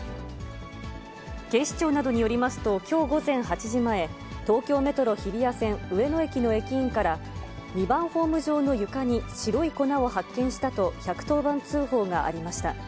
警視庁などによりますと、きょう午前８時前、東京メトロ日比谷線上野駅の駅員から２番ホーム上の床に白い粉を発見したと、１１０番通報がありました。